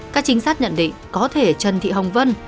các trinh sát nhận định có thể trần thị hồng vân